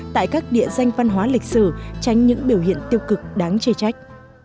tại các địa danh văn hóa lịch sử tránh những biểu hiện tiêu cực đáng chê trách